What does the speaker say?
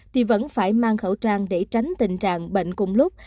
thì vẫn phải mang khẩu trang để tránh tình trạng bệnh cùng lúc